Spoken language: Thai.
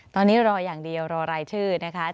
ตอนนี้รออย่างเดียวรอรายชื่อนะคะ